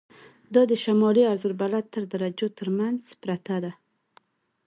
دا د شمالي عرض البلد تر درجو تر منځ پرته ده.